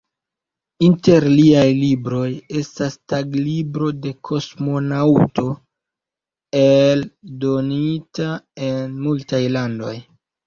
Inter liaj libroj estas "Taglibro de kosmonaŭto", eldonita en multaj landoj.